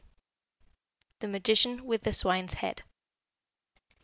THE MAGICIAN WITH THE SWINE'S HEAD.